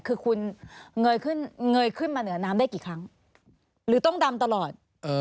คือคุณเงยขึ้นมาเหนือน้ำได้กี่ครั้งหรือต้องดำตลอด